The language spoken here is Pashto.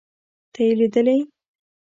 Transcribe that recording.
ته يې ليدلې.